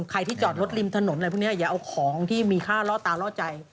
ใครที่จอดรถริมถนนอะไรพวกนี้อย่าเอาของที่มีค่าล่อตาล่อใจ